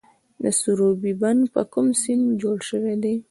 د سروبي بند په کوم سیند جوړ شوی دی؟